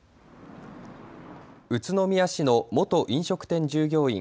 宇都宮市の元飲食店従業員、